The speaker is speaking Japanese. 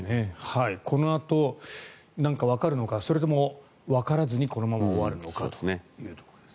このあと何かわかるのかそれともわからずにこのまま終わるのかと。